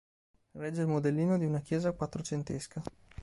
Regge il modellino di una chiesa quattrocentesca.